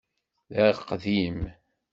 D aqdim.